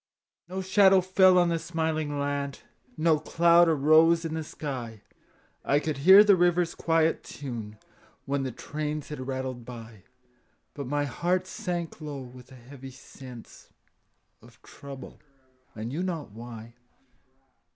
No shadow fell on the smiling land, No cloud arose in the sky; I could hear the river's quiet tune When the trains had rattled by; But my heart sank low with a heavy sense Of trouble, I knew not why.